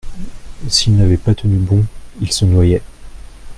S’il n’avait pas tenu bon il se noyait.